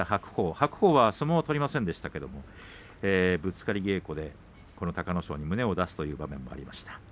白鵬は相撲は取れませんでしたがぶつかり稽古でこの隆の勝に胸を出すという場面がありました。